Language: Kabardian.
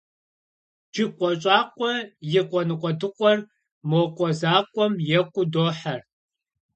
Джыкъуэ щӏакъуэ и къуэ ныкъуэдыкъуэр мо къуэ закъуэм екъуу дохьэр.